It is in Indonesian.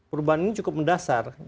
perubahan ini cukup mendasar